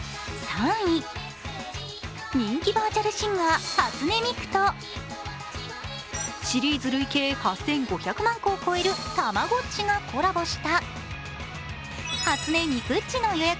人気バーチャルシンガー初音ミクとシリーズ累計８５００万個を超えるたまごっちがコラボした初音ミクっちの予約